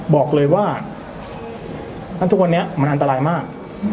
บอกเลยว่างั้นทุกวันนี้มันอันตรายมาก